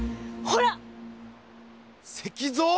石像？